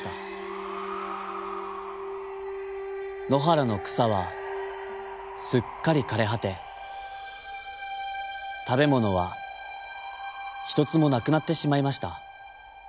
のはらのくさはすっかりかれはてたべものはひとつもなくなってしまいました。